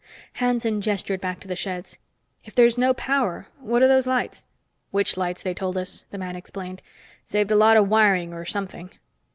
Hanson gestured back to the sheds. "If there's no power, what are those lights?" "Witch lights, they told us," the man explained. "Saved a lot of wiring, or something.